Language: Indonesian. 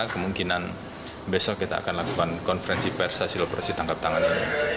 kemungkinan besok kita akan lakukan konferensi pers hasil operasi tangkap tangan ini